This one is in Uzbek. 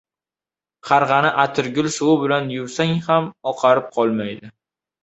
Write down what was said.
• Qarg‘ani atirgul suvi bilan yuvsang ham oqarib qolmaydi.